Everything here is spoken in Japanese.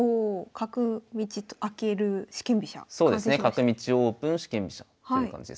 「角道オープン四間飛車」っていう感じですかね。